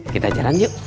kita jalan yuk